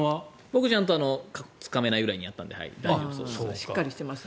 僕はちゃんとつかめないぐらいだったので大丈夫です。